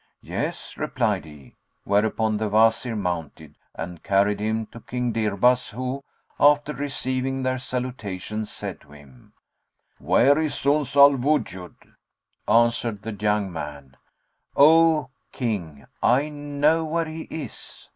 "Yes," replied he; whereupon the Wazir mounted and carried him to King Dirbas who, after receiving their salutations said to him, "Where is Uns al Wujud?" Answered the young man, "O King, I know where he is."